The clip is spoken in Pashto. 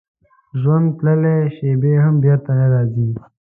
ژوند تللې شېبې هم بېرته نه راګرځي.